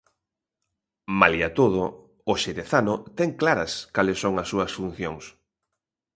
Malia todo, o xerezano, ten claras cales son as súas funcións.